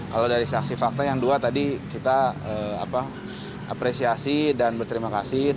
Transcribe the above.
kalau dari saksi fakta yang dua tadi kita apresiasi dan berterima kasih